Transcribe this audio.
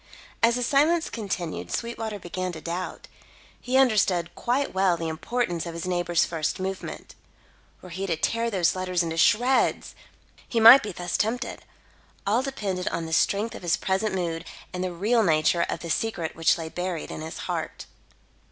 As the silence continued, Sweetwater began to doubt. He understood quite well the importance of his neighbour's first movement. Were he to tear those letters into shreds! He might be thus tempted. All depended on the strength of his present mood and the real nature of the secret which lay buried in his heart.